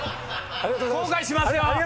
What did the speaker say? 後悔しますよ！